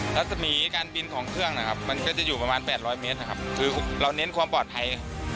และสมีการบินของเครื่องจะอยู่ประมาณ๘๐๐เมตรคือเราเน้นความปลอดภัย